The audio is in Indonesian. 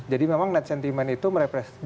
jadi memang net sentiment itu merepresi